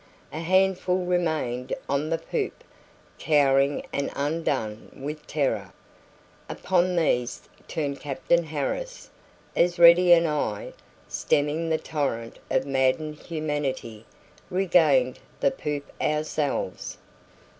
A handful remained on the poop, cowering and undone with terror. Upon these turned Captain Harris, as Ready and I, stemming the torrent of maddened humanity, regained the poop ourselves.